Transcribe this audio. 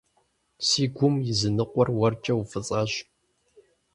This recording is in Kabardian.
Си гум и зы ныкъуэр уэркӀэ уфӀыцӀащ.